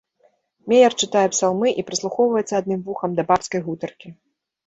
Меер чытае псалмы і прыслухоўваецца адным вухам да бабскай гутаркі.